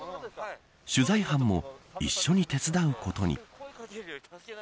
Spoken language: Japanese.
取材班も一緒に手伝うことに。